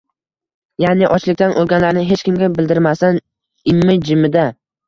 Ya’ni ochlikdan o‘lganlarni hech kimga bildirmasdan... imi-jimida...